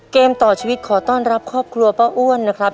เกมต่อชีวิตขอต้อนรับครอบครัวป้าอ้วนนะครับ